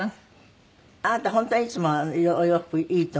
あなた本当いつもお洋服いいと思う私。